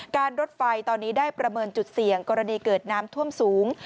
รถไฟตอนนี้ได้ประเมินจุดเสี่ยงกรณีเกิดน้ำท่วมสูง